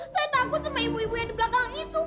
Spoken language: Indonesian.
saya takut sama ibu ibu yang di belakang itu